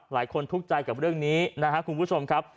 ทุกคนทุกข์ใจกับเรื่องนี้นะครับคุณผู้ชมครับ